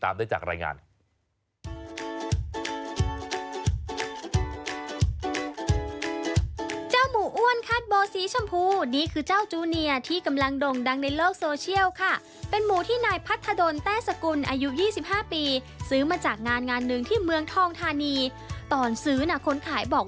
มันเบอร่ำเบอร์เทิมเลยครับคุณผู้ชมครับ